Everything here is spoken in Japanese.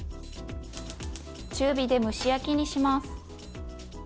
中火で蒸し焼きにします。